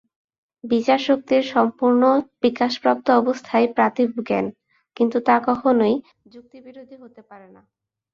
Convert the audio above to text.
বিচার-শক্তির সম্পূর্ণ বিকাশপ্রাপ্ত অবস্থাই প্রাতিভ জ্ঞান, কিন্তু তা কখনও যুক্তিবিরোধী হতে পারে না।